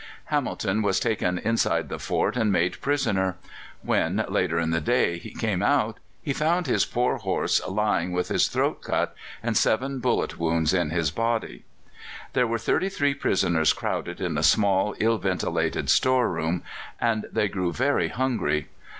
Hamilton was taken inside the fort and made prisoner. When, later in the day, he came out, he found his poor horse lying with his throat cut and seven bullet wounds in his body. There were thirty three prisoners crowded in a small, ill ventilated store room, and they grew very hungry.